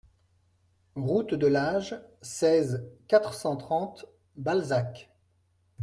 Route de l'Age, seize, quatre cent trente Balzac